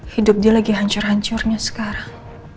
hidup dia lagi hancur hancurnya sekarang